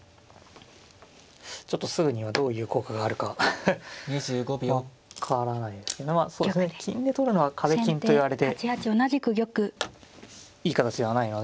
ちょっとすぐにはどういう効果があるか分からないですけど金で取るのは壁金といわれていい形ではないので。